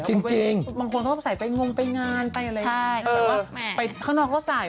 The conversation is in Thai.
จริงจริงบางคนเขาก็ใส่ไปงงไปงานไปอะไรใช่เออไปข้างนอกเขาใส่